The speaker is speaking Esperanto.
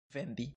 vendi